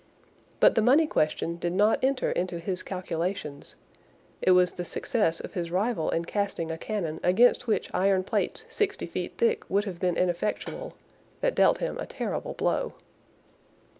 But the money question did not enter into his calculations; it was the success of his rival in casting a cannon against which iron plates sixty feet thick would have been ineffectual, that dealt him a terrible blow.